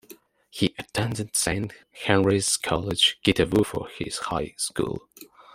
He attended Saint Henry's College Kitovu for his high school.